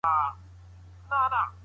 د ټولني د لوستنې فرهنګ بايد ښکلی سي.